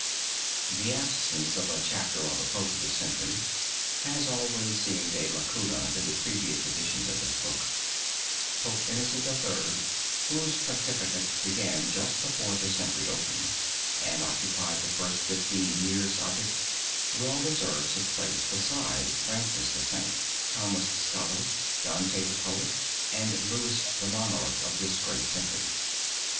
The absence of a chapter on the Pope of the Century has always seemed a lacuna in the previous editions of this book. Pope Innocent III., whose pontificate began just before the century opened, and occupied the first fifteen years of it, well deserves a place beside Francis the Saint, Thomas the Scholar, Dante the Poet, and Louis the Monarch of this great century.